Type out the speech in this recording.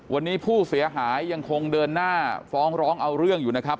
วันนี้ผู้เสียหายยังคงเดินหน้าฟ้องร้องเอาเรื่องอยู่นะครับ